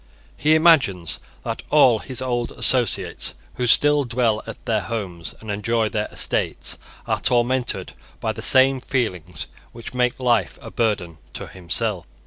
He imagines that all his old associates, who still dwell at their homes and enjoy their estates, are tormented by the same feelings which make life a burden to himself.